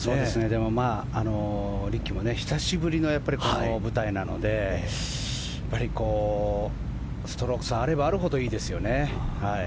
でも、リッキーも久しぶりの舞台なのでストローク差あればあるほどいいですよね。